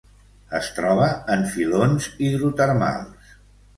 Es troba en filons hidrotermals.